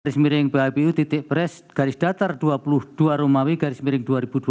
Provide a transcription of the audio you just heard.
garis miring bhbu bres garis datar dua puluh dua rumawi garis miring dua ribu dua puluh empat